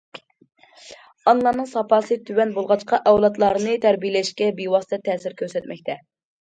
ئانىلارنىڭ ساپاسى تۆۋەن بولغاچقا، ئەۋلادلارنى تەربىيەلەشكە بىۋاسىتە تەسىر كۆرسەتمەكتە.